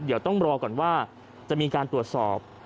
เดี๋ยวต้องรอก่อนว่าจะมีการตรวจสอบ